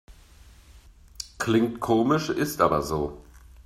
Klingt komisch, ist aber so.